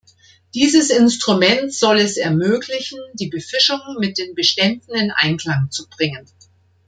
Dieses Instrument soll es ermöglichen, die Befischung mit den Beständen in Einklang zu bringen.